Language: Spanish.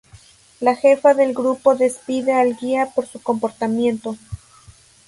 La jefa del grupo despide al guía por su comportamiento.